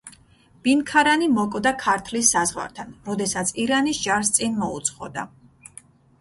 ბინქარანი მოკვდა ქართლის საზღვართან, როდესაც ირანის ჯარს წინ მოუძღოდა.